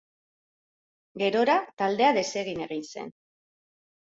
Gerora taldea desegin egin zen.